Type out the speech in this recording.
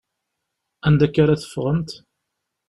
Anda akka ara teffɣemt?